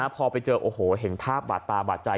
พอไปเจอโอ้โหเห็นภาพบาดตาบาดใจ